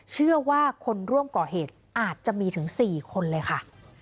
เชื่อว่าคนร่วมก่อเหตุอาจจะมีถึง๔คนเลยค่ะ